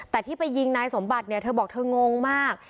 แต่ที่ไปยิงนายสมบัติเนี่ยเธอบอกเธองงมาก